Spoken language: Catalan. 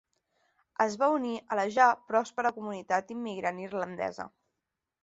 Es van unir a la ja pròspera comunitat immigrant irlandesa.